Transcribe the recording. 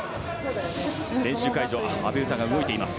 練習会場で阿部詩が動いています。